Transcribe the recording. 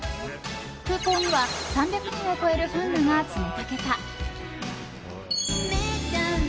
空港には３００人を超えるファンらが詰めかけた。